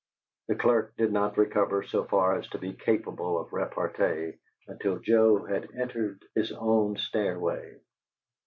The clerk did not recover so far as to be capable of repartee until Joe had entered his own stairway.